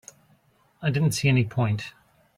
I didn't see any point.